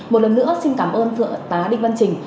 một lần nữa xin cảm ơn thượng tá đinh văn trình